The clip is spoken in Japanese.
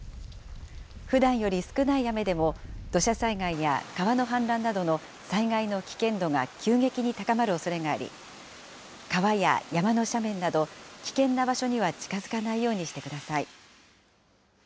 ふだんより少ない雨でも、土砂災害や川の氾濫などの災害の危険度が急激に高まるおそれがあり、川や山の斜面など、危険な場所には近づかないようにしてください。